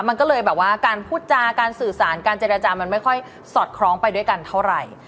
มันก็เลยแบบว่าการพูดจาการสื่อสารการเจรจามันไม่ค่อยสอดคล้องไปด้วยกันเท่าไหร่